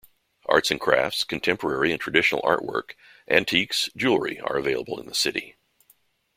Art and crafts, contemporary and traditional artwork, antiques, jewellery are available in the city.